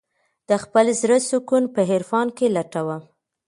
د خپل زړه سکون په عرفان کې لټوم.